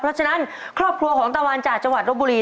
เพราะฉะนั้นครอบครัวของตะวันจากจังหวัดรบบุรี